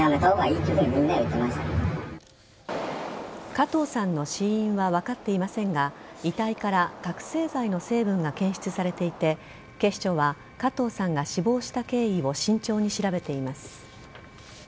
加藤さんの死因は分かっていませんが遺体から覚醒剤の成分が検出されていて警視庁は加藤さんが死亡した経緯を慎重に調べています。